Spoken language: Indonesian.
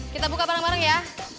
kita buka bareng bareng ya